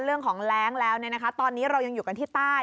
เรื่องของแล้งแล้วตอนนี้เรายังอยู่กันที่ใต้